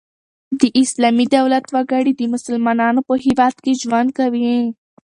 د اسلامي دولت وګړي د مسلمانانو په هيواد کښي ژوند کوي.